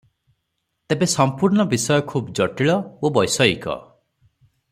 ତେବେ ସମ୍ପୂର୍ଣ୍ଣ ବିଷୟ ଖୁବ ଜଟିଳ ଓ ବୈଷୟିକ ।